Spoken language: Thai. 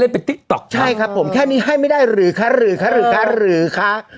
เออเห็นได้ล่ะเอามาเล่นไปติ๊กตอกครับ